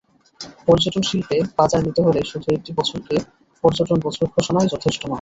পর্যটনশিল্পে বাজার নিতে হলে শুধু একটি বছরকে পর্যটন বছর ঘোষণাই যথেষ্ট নয়।